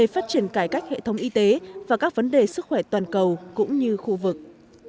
phát triển cải cách hệ thống y tế và các vấn đề sức khỏe toàn cầu cũng như khu vực